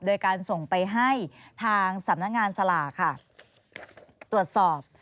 โดยการส่งไปให้ทางสำนักงานสลากค่ะตรวจสอบ